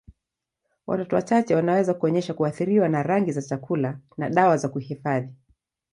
Watoto wachache wanaweza kuonyesha kuathiriwa na rangi za chakula na dawa za kuhifadhi.